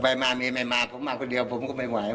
ไปมามีไม่มาผมมาคนเดียวมาก็เมียนะ